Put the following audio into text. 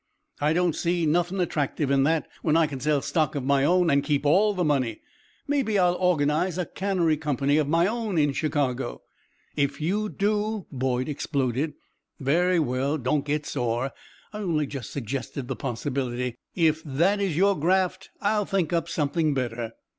"I don't see nothing attractive in that when I can sell stock of my own and keep all the money. Maybe I'll organize a cannery company of my own in Chicago " "If you do " Boyd exploded. "Very well! Don't get sore. I only just suggested the possibility. If that is your graft, I'll think up something better."